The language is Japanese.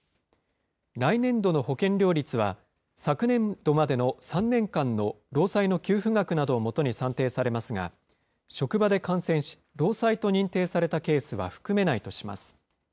来年度の保険料率は、昨年度までの３年間の労災の給付額などをもとに算定されますが、職場で感染し、労災と認定されたケースは含めないとします。